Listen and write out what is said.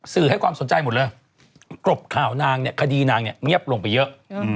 สื่อให้ความสนใจหมดเลยกรบข่าวนางเนี่ยคดีนางเนี่ยเงียบลงไปเยอะ